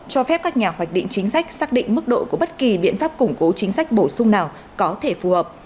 cho phép các nhà hoạch định chính sách xác định mức độ của bất kỳ biện pháp củng cố chính sách bổ sung nào có thể phù hợp